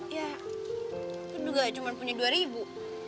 ya juga cuma punya dua ribu